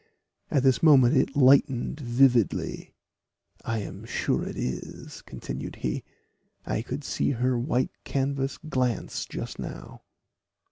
At this moment it lightened vividly. "I am sure it is," continued he "I could see her white canvas glance just now."